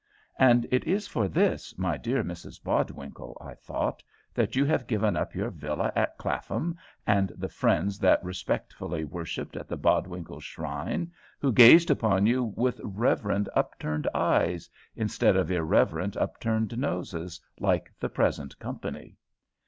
"And it is for this, my dear Mrs Bodwinkle," I thought, "that you have given up your villa at Clapham, and the friends that respectfully worshipped at the Bodwinkle shrine, who gazed upon you with reverend upturned eyes, instead of irreverent upturned noses, like the present company!